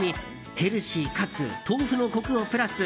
ヘルシーかつ豆腐のコクをプラス。